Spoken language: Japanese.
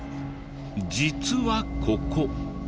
実はここ。